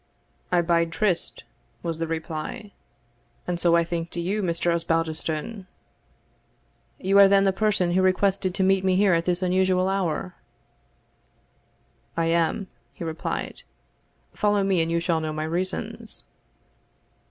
"I bide tryste," was the reply; "and so I think do you, Mr. Osbaldistone." "You are then the person who requested to meet me here at this unusual hour?" "I am," he replied. "Follow me, and you shall know my reasons."